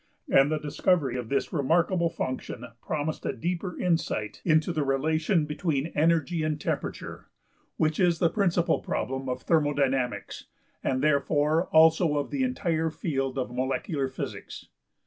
And the discovery of this remarkable function promised a deeper insight into the relation between energy and temperature, which is the principal problem of thermodynamics and therefore also of the entire field of molecular physics.